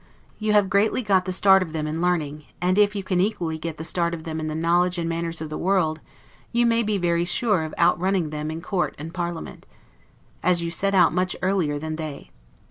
You have greatly got the start of them in learning; and if you can equally get the start of them in the knowledge and manners of the world, you may be very sure of outrunning them in court and parliament, as you set out much earlier than they.